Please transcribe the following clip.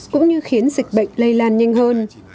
cũng như khiến dịch bệnh lây lan nhanh hơn